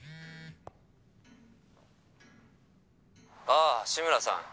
ああ志村さん